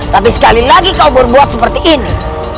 tapi sekali lagi kau berbuat seperti ini